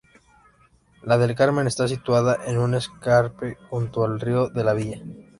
La del Carmen está situada en un escarpe, junto al río de la Villa.